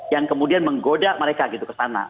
yang kemudian menggoda mereka gitu ke sana